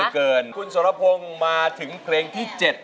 คุณสรพงศ์มาถึงเพลงที่๗